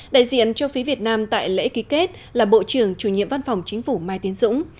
đại diện cho phía việt nam tại lễ ký kết là bộ trưởng chủ nhiệm văn phòng chính phủ mai tiến dũng